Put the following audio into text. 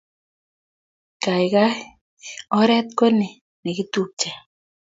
Gaigai, oret ko ni nekitupche